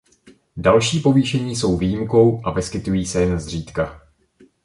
Další povýšení jsou výjimkou a vyskytují se jen zřídka.